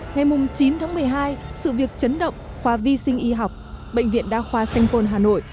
ngày chín tháng một mươi hai sự việc chấn động khoa vi sinh y học bệnh viện đa khoa sanh pôn hà nội